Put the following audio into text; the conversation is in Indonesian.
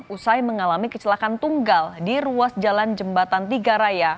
usai mengalami kecelakaan tunggal di ruas jalan jembatan tiga raya